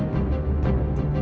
aku akan menangkanmu